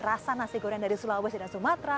rasa nasi goreng dari sulawesi dan sumatera